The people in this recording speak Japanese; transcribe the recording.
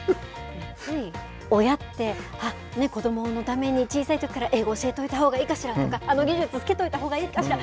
つい、親って、あっ、子どものために小さいときから英語教えておいたほうがいいかしらとか、あの技術つけといたほうがいいかしら？